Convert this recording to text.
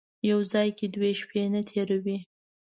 یو ځای کې دوې شپې نه تېروي.